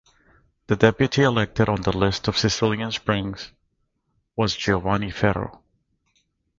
The deputy elected on the list of Sicilian Spring was Giovanni Ferro.